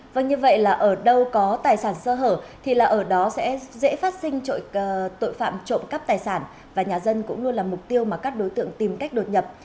vâng như vậy là ở đâu có tài sản sơ hở thì là ở đó sẽ dễ phát sinh tội phạm trộm cắp tài sản và nhà dân cũng luôn là mục tiêu mà các đối tượng tìm cách đột nhập